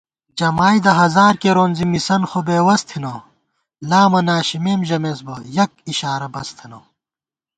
جمائیدہ ہزارکېرون زی مِسَن خوبېوَس تھنہ * لامہ ناشِمېم ژَمېسبہ یَک اِشارہ بس تھنہ